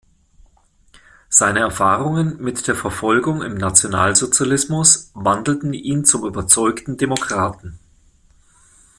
Seine Erfahrungen mit der Verfolgung im Nationalsozialismus wandelten ihn zum überzeugten Demokraten.